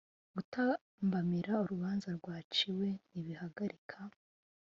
Gutambamira urubanza rwaciwe ntibihagarika